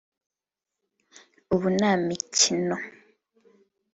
ubu nta mikino